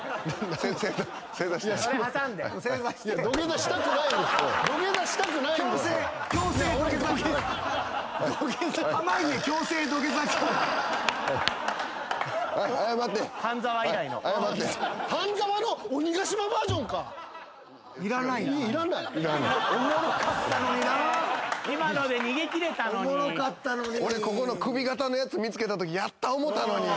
俺ここの首形のやつ見つけたときやった思うたのに。